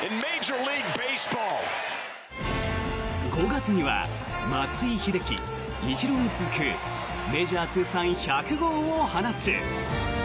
５月には松井秀喜、イチローに続くメジャー通算１００号を放つ。